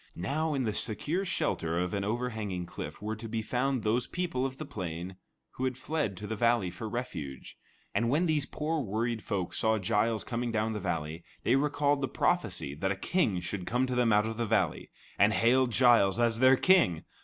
Now, in the secure shelter of an overhanging cliff, were to be found those people of the plain who had fled to the valley for refuge; and when these poor worried folk saw Giles coming down the valley, they recalled the prophecy that a king should come to them out of the valley, and hailed Giles as their king.